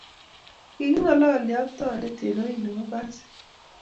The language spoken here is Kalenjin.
kigingololye ako toondet eng orit nebo basit